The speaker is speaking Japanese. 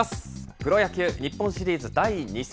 プロ野球日本シリーズ、第２戦。